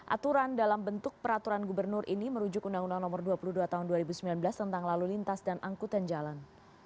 aturan dalam bentuk peraturan gubernur ini merujuk undang undang nomor dua puluh dua tahun dua ribu sembilan belas tentang lalu lintas dan angkutan jalan